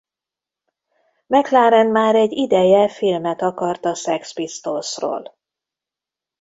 McLaren már egy ideje filmet akart a Sex Pistolsról.